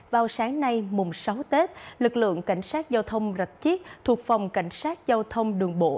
vào sáng nay mùng sáu tết lực lượng cảnh sát giao thông rạch chiếc thuộc phòng cảnh sát giao thông đường bộ